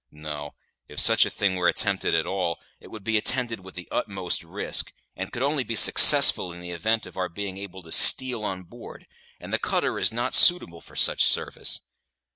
No, if such a thing were attempted at all, it would be attended with the utmost risk, and could only be successful in the event of our being able to steal on board; and the cutter is not suitable for such service.